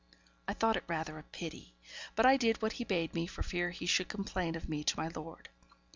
I thought it rather a pity; but I did what he bade me, for fear he should complain of me to my lord.